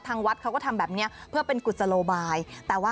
วัดเขาก็ทำแบบนี้เพื่อเป็นกุศโลบายแต่ว่า